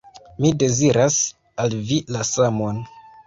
Mi deziras al vi la samon!